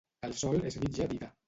El sol és mitja vida.